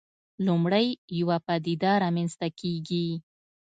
لومړی یوه پدیده رامنځته کېږي.